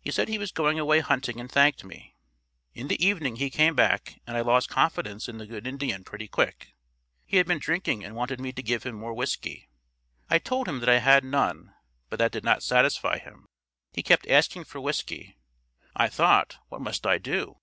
He said he was going away hunting and thanked me. In the evening he came back and I lost confidence in the "Good Indian" pretty quick. He had been drinking and wanted me to give him more whiskey. I told him that I had none, but that did not satisfy him. He kept asking for whiskey. I thought, "What must I do?"